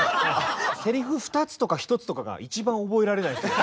せりふ２つとか１つとかが一番覚えられないんですよ。